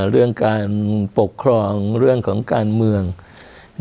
เรื่องการปกครองเรื่องของการเมือง